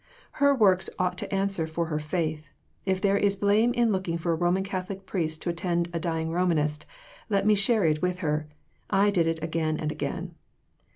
Her works ought to answer for her faith. If there is blame in looking for a Roman Catholic priest to attend a dying Romanist, let me share it with her I did it again and again."